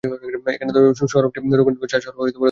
এখানে সড়কটি রঘুনাথপুর-চাস সড়ক অতিক্রম করে।